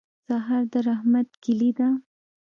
سهار د رحمت کلي ده.